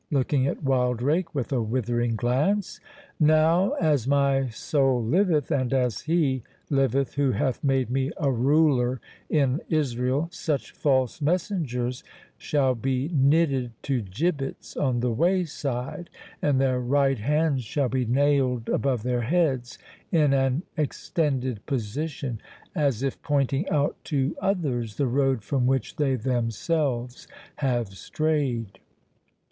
looking at Wildrake with a withering glance. "Now, as my soul liveth, and as He liveth who hath made me a ruler in Israel, such false messengers shall be knitted to gibbets on the wayside, and their right hands shall be nailed above their heads, in an extended position, as if pointing out to others the road from which they themselves have strayed!"